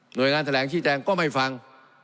โดยงานแถลงชี้แจงก็ไม่ฟัง